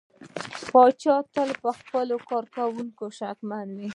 پاچا تل پر خپلو کارکوونکو شکمن وي .